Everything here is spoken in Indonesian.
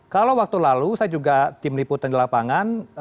kalau waktu lalu saya juga tim liputan di lapangan